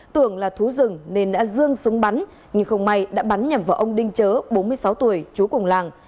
tưởng là thú rừng nên đã dương súng bắn nhưng không may đã bắn nhằm vào ông đinh chớ bốn mươi sáu tuổi chú cùng làng